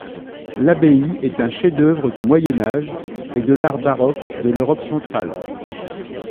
L'abbaye est un chef-d'œuvre du Moyen Âge et de l'art baroque de l'Europe centrale.